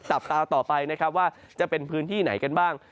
จับตาต่อไปนะครับว่าจะเป็นพื้นที่ไหนกันบ้าง